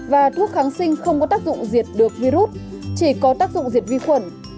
và thuốc kháng sinh không có tác dụng diệt được virus chỉ có tác dụng diệt vi khuẩn